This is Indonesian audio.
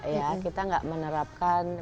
ya kita gak menerapkan